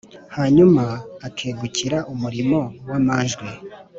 Hanyuma akegukira umurimo w’amanjwe: